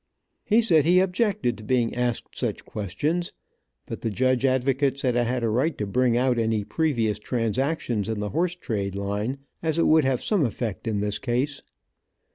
He said he objected to being asked such questions, but the judge advocate said I had a right to bring out any previous transactions in the horse trade line, as it would have some effect in this case.